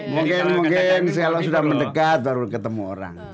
mungkin mungkin si allah sudah mendekat baru ketemu orang